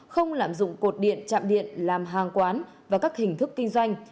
không lạm dụng cột điện chạm điện làm hàng quán và các hình thức kinh doanh